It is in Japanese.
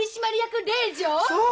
そう！